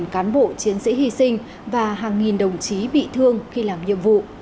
một cán bộ chiến sĩ hy sinh và hàng nghìn đồng chí bị thương khi làm nhiệm vụ